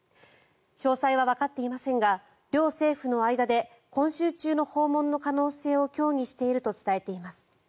詳細はわかっていませんが両政府の間で今週中の訪問の可能性を協議していると伝えています。